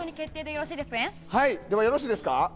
よろしいですか？